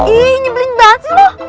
ih nyebelin banget sih lo